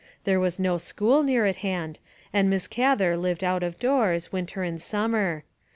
There was no school near at hand, and Miss Gather lived out of doors, winter and sum mer.